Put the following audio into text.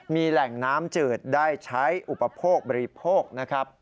มีแหล่งน้ำจืดได้ใช้อุปโภคบริโภคนะครับ